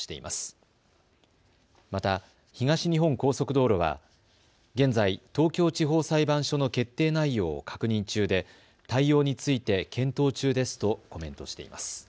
また、東日本高速道路は現在、東京地方裁判所の決定内容を確認中で対応について検討中ですとコメントしています。